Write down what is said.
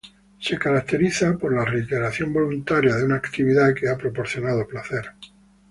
Se caracteriza por la reiteración voluntaria de una actividad que ha proporcionado placer.